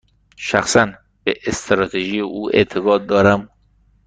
شخصا، به استراتژی او اعتقاد دارم.